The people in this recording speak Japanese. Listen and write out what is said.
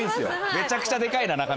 めちゃくちゃでかいな中目黒。